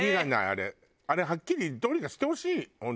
あれはっきりどうにかしてほしい本当。